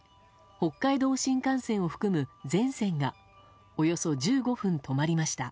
北海道新幹線を含む全線がおよそ１５分止まりました。